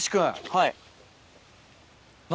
はい。